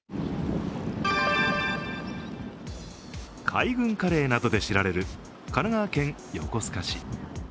海軍カレーなどで知られる神奈川県横須賀市。